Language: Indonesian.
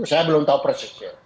itu saya belum tahu persis